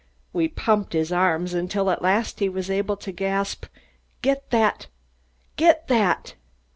We pumped his arms until at last he was able to gasp: "Get that ! Get that